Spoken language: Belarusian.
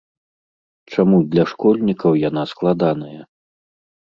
Чаму для школьнікаў яна складаная?